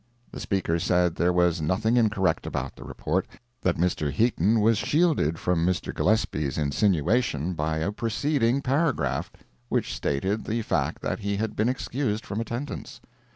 The Speaker said there was nothing incorrect about the report—that Mr. Heaton was shielded from Mr. Gillespie's insinuation by a preceding paragraph, which stated the fact that he had been excused from attendance.